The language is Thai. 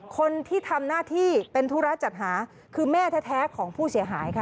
คนที่ทำหน้าที่เป็นธุระจัดหาคือแม่แท้ของผู้เสียหายค่ะ